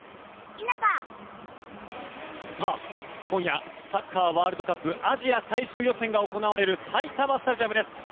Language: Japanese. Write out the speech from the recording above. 今夜サッカーワールドカップアジア最終予選が行われる埼玉スタジアムです。